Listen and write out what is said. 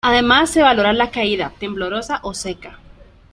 Además se valora la caída, temblorosa o seca.